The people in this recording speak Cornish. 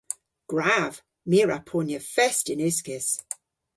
Gwrav. My a wra ponya fest yn uskis.